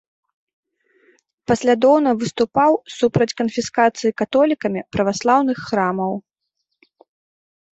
Паслядоўна выступаў супраць канфіскацыі католікамі праваслаўных храмаў.